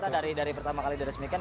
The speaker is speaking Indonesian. kalau kita dari pertama kali diresmikan